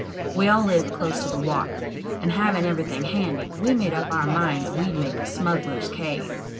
We all live close to the water; and having everything handy, we made up our minds we'd make a smugglers' cave.